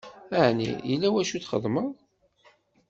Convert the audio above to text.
Ɛni yella wacu i txedmeḍ?